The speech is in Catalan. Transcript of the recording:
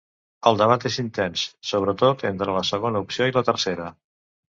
El debat és intens, sobretot entre la segona opció i la tercera.